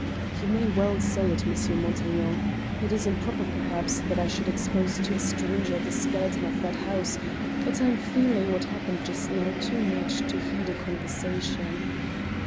"You may well say it, M. Montaiglon. It is improper, perhaps, that I should expose to a stranger the skeleton of that house, but I'm feeling what happened just now too much to heed a convention."